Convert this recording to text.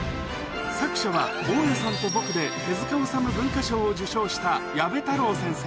作者は、大家さんと僕で、手塚治虫文化賞を受賞した、矢部太郎先生。